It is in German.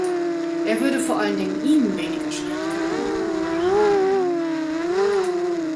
Er würde vor allen Dingen Ihnen weniger Schwierigkeiten machen.